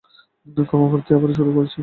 ক্ষমাপ্রার্থী, আবার শুরু করছি।